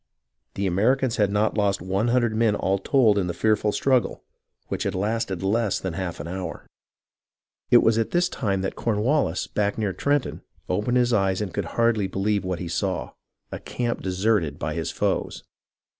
The Americans had not lost one hundred men all told in the fearful struggle, which had lasted less than a half hour. It was at this time that Cornwallis, back near Trenton, opened his eyes and could hardly believe what he saw — a camp deserted by his foes.